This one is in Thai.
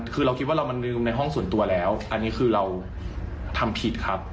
คือเราคิดว่าเรามาลืมในห้องส่วนตัวแล้วอันนี้คือเราทำผิดครับ